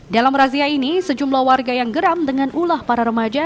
dalam razia ini sejumlah warga yang geram dengan ulah para remaja